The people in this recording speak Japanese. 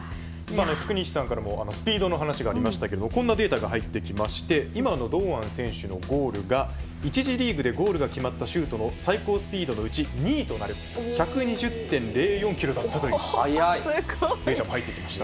福西さんからもスピードの話がありましたがこんなデータが入ってきまして今の堂安選手のゴールが１次リーグでゴールが決まったシュートの最高スピードのうち２位となる１２０．０４キロだったというデータが入ってきました。